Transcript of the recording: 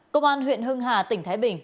công an huyện hưng hà tỉnh thái bình